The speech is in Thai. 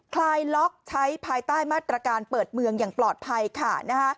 คลายล็อกใช้ภายใต้มาตรการเปิดเมืองอย่างปลอดภัยค่ะ